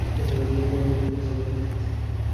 উম, আমি জ্যাসাবেলের কাছে এসেছি।